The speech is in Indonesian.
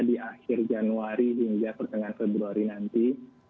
di akhir januari hingga pertengahan februari nanti